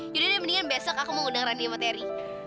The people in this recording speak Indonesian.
yaudah deh mendingan besok aku mau ngundang randy sama terry